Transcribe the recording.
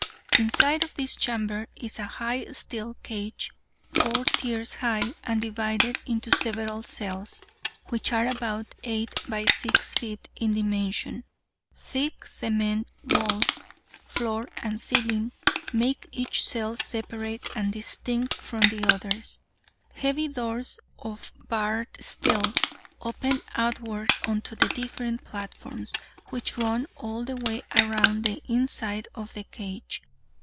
Inside of this chamber is a high steel cage, four tiers high, and divided into several cells, which are about eight by six feet in dimension. Thick, cement walls, floor, and ceiling, make each cell separate and distinct from the others. Heavy doors of barred steel open outward onto the different platforms, which run all the way around the inside of the cage.